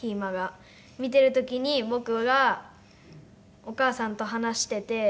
見てる時に僕がお母さんと話してて。